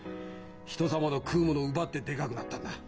人様の食う物奪ってでかくなったんだ。